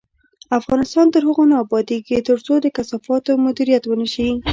افغانستان تر هغو نه ابادیږي، ترڅو د کثافاتو مدیریت ونشي.